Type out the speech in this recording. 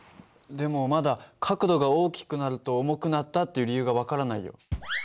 でもまだ角度が大きくなると重くなったっていう理由が分からないよ。